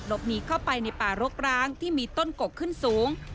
หนีเข้าไปในป่ารกร้างที่มีต้นกกขึ้นสูง